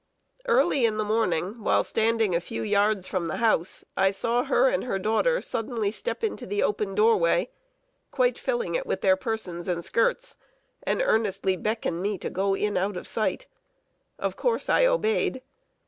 Early in the morning, while standing a few yards from the house, I saw her and her daughter suddenly step into the open doorway, quite filling it with their persons and skirts, and earnestly beckon me to go in out of sight. Of course, I obeyed.